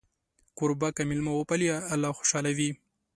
کوربه که میلمه وپالي، الله خوشحاله وي.